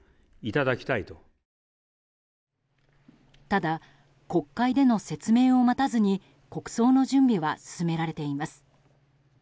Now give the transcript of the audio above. ただ、国会での説明を待たずに国葬の準備は進められています。